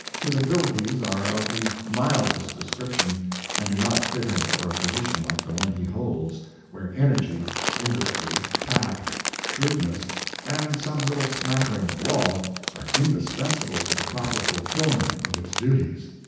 His abilities are of the mildest description, and do not fit him for a position like the one he holds, where energy, industry, tact, shrewdness, and some little smattering of law, are indispensable to the proper fulfilment of its duties.